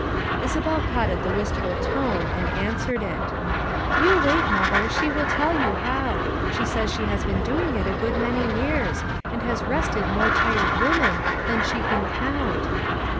Isabel caught at the wistful tone and an swered it. "You wait, Mother, she will tell you how; she says she has been doing it a good many years, and has rested more tired women than she can count."